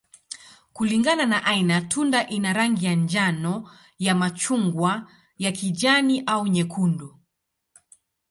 Kulingana na aina, tunda ina rangi ya njano, ya machungwa, ya kijani, au nyekundu.